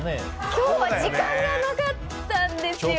今日は時間がなかったんですよ。